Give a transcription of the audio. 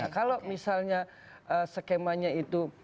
kalau misalnya skemanya itu